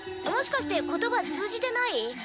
もしかして言葉通じてない？